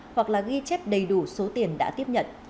hoặc là ghi chép đầy đủ số tiền đã tiếp nhận